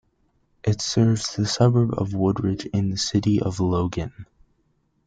It serves the suburb of Woodridge in the City of Logan.